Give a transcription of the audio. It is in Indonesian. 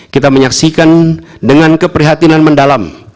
kita menyaksikan dengan keprihatinan mendalam